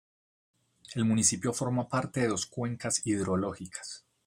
El municipio forma parte de dos cuencas hidrológicas.